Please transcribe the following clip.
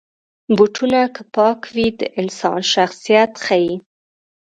بوټونه که پاک وي، د انسان شخصیت ښيي.